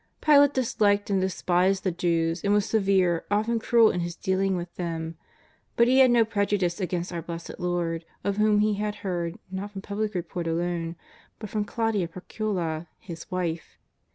Pilate disliked and despised the Jews, and was severe, often cruel in his dealing with them. But he had no prejudice against our Blessed Lord, of wliom lie had hoard, not from public report alone, but from Claudia Procula, his wife.